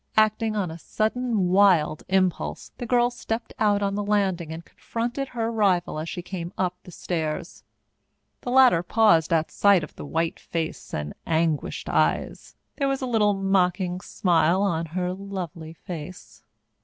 Acting on a sudden wild impulse, the girl stepped out on the landing and confronted her rival as she came up the stairs. The latter paused at sight of the white face and anguished eyes. There was a little mocking smile on her lovely face.